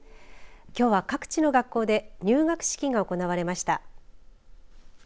きょうは各地の学校で入学式が行われました。